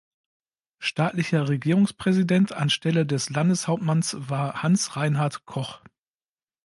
Staatlicher Regierungspräsident anstelle des Landeshauptmanns war Hans-Reinhard Koch.